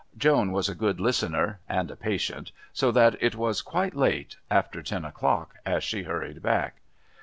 Joan was a good listener and a patient, so that it was quite late after ten o'clock as she hurried back.